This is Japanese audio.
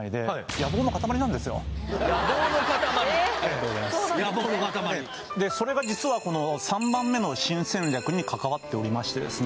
野望の塊野望の塊ありがとうございますでそれが実はこの３番目の新戦略に関わっておりましてですね